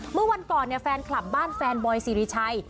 เมื่อวันก่อนเนี่ยแฟนคลับบ้านแฟนบอยสิริชัย